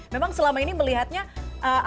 memang selama ini melihatnya apresiasi di indonesia